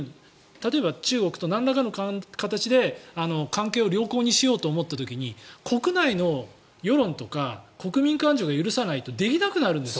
例えば、中国となんらかの形で関係を良好にしようと思った時に国内の世論とか国民感情が許さないとできなくなるんです。